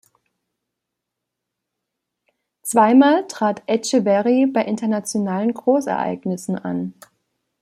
Zweimal trat Etcheverry bei internationalen Großereignissen an.